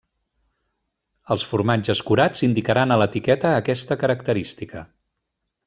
Els formatges curats indicaran a l'etiqueta aquesta característica.